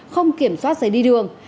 không kiểm soát giấy đi đường